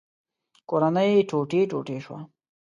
کورنۍ ټوټې ټوټې شوه.